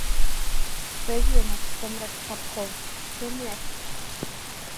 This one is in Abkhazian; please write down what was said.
Сыжәҩанаҿ сымра схаԥхон, сымҩахь…